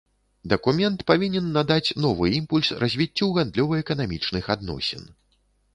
Дакумент павінен надаць новы імпульс развіццю гандлёва-эканамічных адносін.